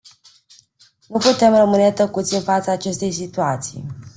Nu putem rămâne tăcuți în fața acestei situații.